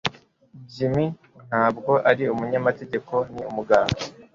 Jim ntabwo ari umunyamategeko Ni umuganga